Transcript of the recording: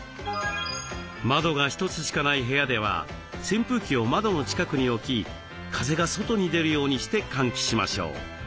窓が一つしかない部屋では扇風機を窓の近くに置き風が外に出るようにして換気しましょう。